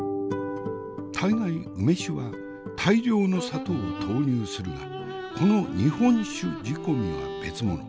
大概梅酒は大量の砂糖を投入するがこの日本酒仕込みは別物。